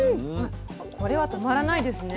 これは止まらないですね。